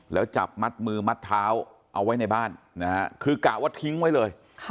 แล้วจับมัดมือมัดเท้าเอาไว้ในบ้านนะฮะคือกะว่าทิ้งไว้เลย